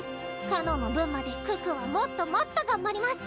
かのんの分まで可可はもっともっと頑張ります！